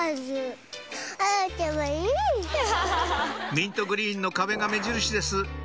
ミントグリーンの壁が目印です